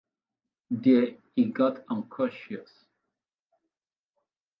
There he got unconscious.